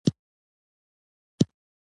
د تعليمي کال د بل فصل په پای ته رسېدو سره،